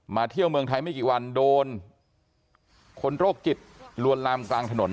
เที่ยวเมืองไทยไม่กี่วันโดนคนโรคจิตลวนลามกลางถนน